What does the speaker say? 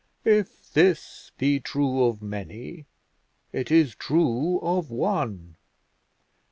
If this be true of many, it is true of one.